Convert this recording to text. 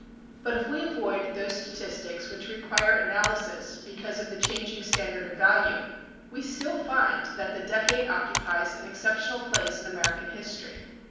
But if we avoid those statistics which require analysis because of the changing standard of value, we still find that the decade occupies an exceptional place in American history.